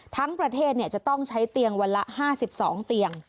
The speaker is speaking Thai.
ทั้งประเทศจะต้องใช้เตียงวันละ๕๒เตียง